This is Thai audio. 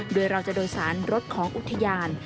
โดยเราจะโดยสารรถของอุทยาน